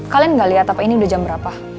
kalian gak lihat apa ini udah jam berapa